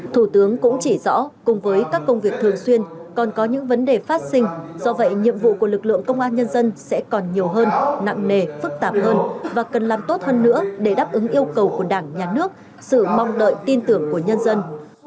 thủ tướng cũng chỉ rõ cùng với các công việc thường xuyên còn có những vấn đề phát sinh do vậy nhiệm vụ của lực lượng công an nhân dân sẽ còn nhiều hơn nặng nề phức tạp hơn và cần làm tốt hơn nữa để đáp ứng yêu cầu của đảng nhà nước sự mong đợi tin tưởng của nhân dân